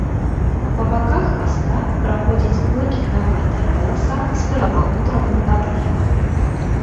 Па баках хваста праходзіць блакітнаватая паласа з перламутравым адлівам.